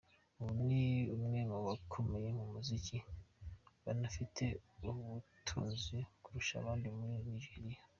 Ubu ni umwe mu bakomeye mu muziki banafite ubutunzi kurusha abandi muri Nigeria.